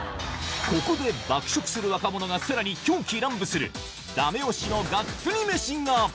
ここで爆食する若者がさらに狂喜乱舞するダメ押しのガッツリ飯が！